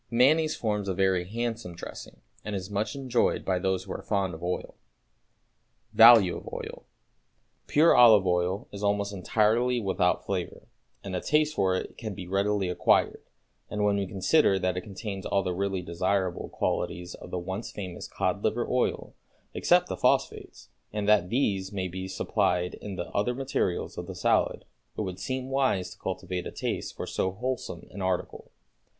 Mayonnaise forms a very handsome dressing, and it is much enjoyed by those who are fond of oil. =Value of Oil.= Pure olive oil is almost entirely without flavor, and a taste for it can be readily acquired; and, when we consider that it contains all the really desirable qualities of the once famous cod liver oil, except the phosphates, and that these may be supplied in the other materials of the salad, it would seem wise to cultivate a taste for so wholesome an article.